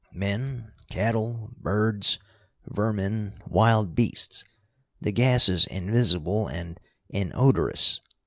Men, cattle, birds, vermin, wild beasts. The gas is invisible and inodorous.